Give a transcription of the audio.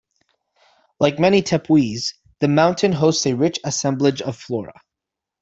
Like many tepuis, the mountain hosts a rich assemblage of flora.